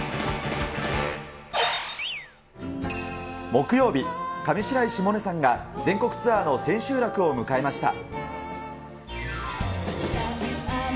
木曜日、上白石萌音さんが、全国ツアーの千秋楽を迎えました。